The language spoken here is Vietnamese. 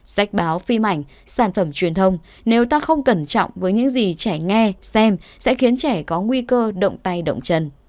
sách báo phim ảnh sản phẩm truyền thông nếu ta không cẩn trọng với những gì trẻ nghe xem sẽ khiến trẻ có nguy cơ động tay động chân